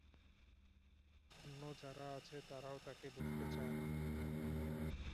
অন্য যারা আছে তারাও তাকে বুঝতে চায় না।